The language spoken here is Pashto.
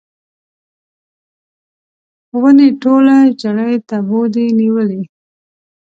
ونې ټوله ژړۍ تبو دي نیولې